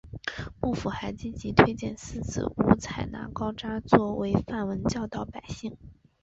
幕府还积极推荐寺子屋采纳高札作为范文教导百姓。